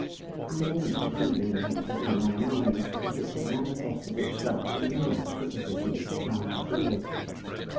I know the feeling which is in your minds, and which has manifested itself in numerous criticisms of my ideas.